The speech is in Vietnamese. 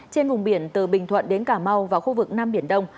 trên vùng biển từ bình thuận đến cà mau và khu vực nam biển đông